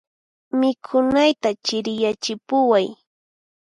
Mikhunayta chiriyachipuway.